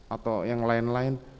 atau yang lain lain